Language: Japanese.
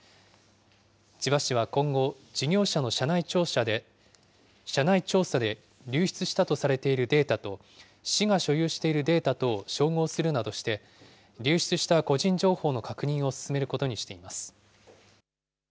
千葉市は今後、事業者の社内調査で流出したとされているデータと、市が所有しているデータとを照合するなどして、流出した個人情報の確認を進めることにしています。